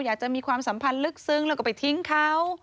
มีความสัมพันธ์ลึกซึ้งแล้วก็ไปทิ้งเขา